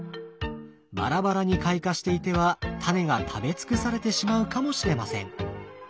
バラバラに開花していてはタネが食べ尽くされてしまうかもしれません。